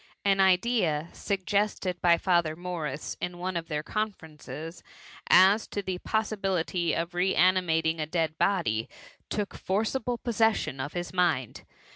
An idea, suggested by THE MUMMY. 33 Father Morris in one of their conferences, as to the possibility of reanimating a dead body, took forcible possession of his mind.